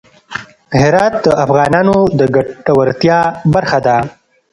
هرات د افغانانو د ګټورتیا برخه ده.